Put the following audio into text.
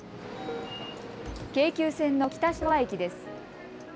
京急線の北品川駅です。